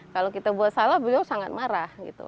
kalau kita buat salah beliau sangat marah